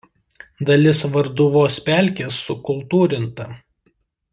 Dalis Varduvos pelkės sukultūrinta.